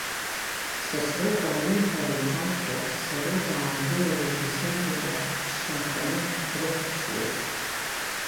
Сасрыҟәа ииҳәара иҿамшәо, дцару даангылару изымдыруа, дшанханы дрыхәаԥшуеит.